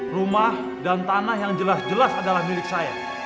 rumah dan tanah yang jelas jelas adalah milik saya